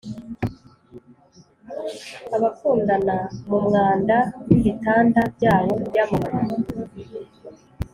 abakundana mumwanda wibitanda byabo byamababi,